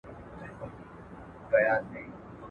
عزتمن خلک تل پر خپلو وعدو وفا کوی.